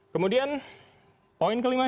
kemudian poin kelima